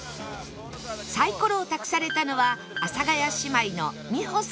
サイコロを託されたのは阿佐ヶ谷姉妹の美穂さん